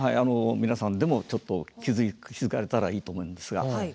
皆さんでもちょっと気付かれたらいいと思うんですが。